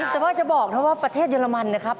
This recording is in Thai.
แต่ว่าจะบอกเพราะว่าประเทศเยอรมนี